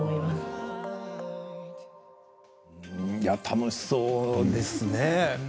楽しそうですね。